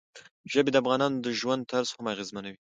ژبې د افغانانو د ژوند طرز هم اغېزمنوي.